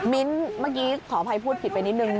มิ้นท์เมื่อกี้ขออภัยพูดผิดไปนิดหนึ่ง